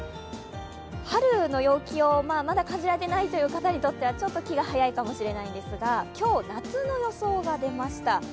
春の陽気をまだ風浴びてないという方にはちょっと気が早いかもしれないんですが、今日、夏の予想が出ました。